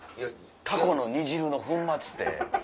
タコの煮汁の粉末て。